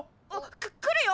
く来るよ！